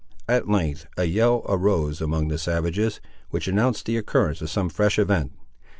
At length a yell arose among the savages, which announced the occurrence of some fresh event.